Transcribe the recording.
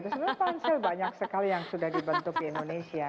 sebenarnya pansel banyak sekali yang sudah dibentuk di indonesia